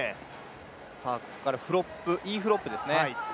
ここからインフロップですね。